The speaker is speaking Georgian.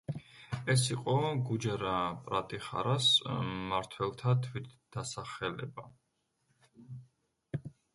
ეს იყო გუჯარა–პრატიხარას მმართველთა თვითდასახელება.